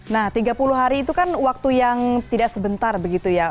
nah tiga puluh hari itu kan waktu yang tidak sebentar begitu ya